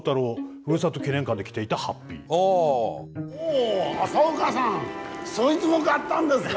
おお朝岡さんそいづも買ったんですか。